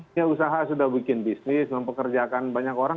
ini usaha sudah bikin bisnis mempekerjakan banyak orang